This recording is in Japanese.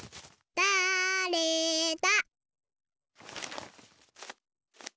だれだ？